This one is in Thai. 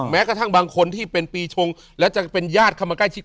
แม้กระทั่งบางคนที่เป็นปีชงแล้วจะเป็นญาติเข้ามาใกล้ชิด